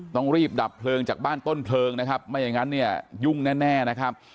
ต้องรีบดับเพลิงจากบ้านต้นเพลิงนะครับไม่อย่างนั้นเนี่ยยุ่งแน่นะครับ